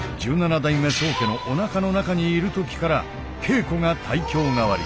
代目宗家のおなかの中にいる時から稽古が胎教代わり。